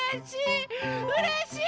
うれしい！